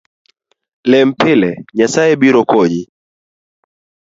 Lem pile ,Nyasae biro konyi